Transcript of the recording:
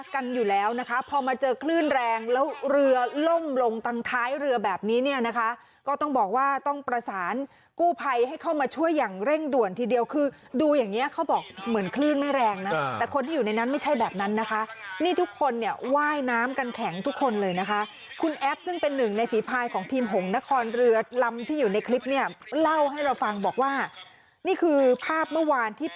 กันอยู่แล้วนะคะพอมาเจอคลื่นแรงแล้วเรือล่มลงตั้งท้ายเรือแบบนี้เนี่ยนะคะก็ต้องบอกว่าต้องประสานกู้ภัยให้เข้ามาช่วยอย่างเร่งด่วนทีเดียวคือดูอย่างเงี้เขาบอกเหมือนคลื่นไม่แรงนะแต่คนที่อยู่ในนั้นไม่ใช่แบบนั้นนะคะนี่ทุกคนเนี่ยว่ายน้ำกันแข็งทุกคนเลยนะคะคุณแอฟซึ่งเป็นหนึ่งในฝีภายของทีมหงนครเรือลำที่อยู่ในคลิปเนี่ยเล่าให้เราฟังบอกว่านี่คือภาพเมื่อวานที่